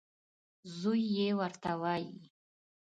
زوی یې ورته وايي .